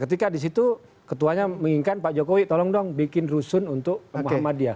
ketika di situ ketuanya menginginkan pak jokowi tolong dong bikin rusun untuk muhammadiyah